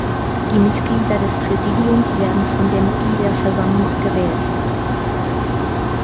Die Mitglieder des Präsidiums werden von der Mitgliederversammlung gewählt.